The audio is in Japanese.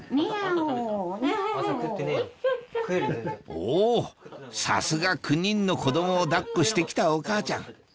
おぉさすが９人の子供を抱っこして来たお母ちゃん